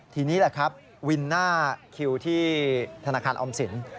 ทีนี้แหละครับวินหน้าคิวที่ธนาคารออมสิน